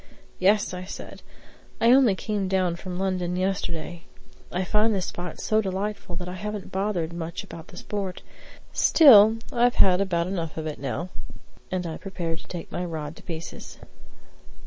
"Yes," I said, "I only came down from London yesterday. I find the spot so delightful that I haven't bothered much about the sport. Still, I've had about enough of it now." And I prepared to take my rod to pieces.